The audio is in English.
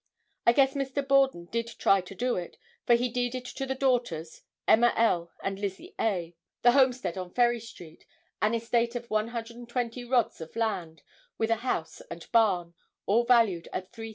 I guess Mr. Borden did try to do it, for he deeded to the daughters, Emma L. and Lizzie A., the homestead on Ferry street, an estate of 120 rods of land, with a house and barn, all valued at $3000.